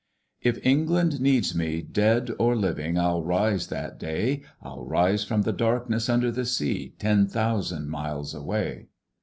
"'If England needs me, dead Or living, I'll rise that day! I'll rise from the darkness under the sea Ten thousand miles away.'